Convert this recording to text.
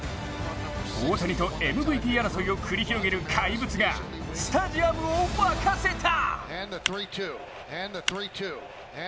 大谷とＭＶＰ争いを繰り広げる怪物がスタジアムを沸かせた。